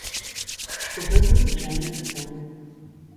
Што гэта звычайная справа.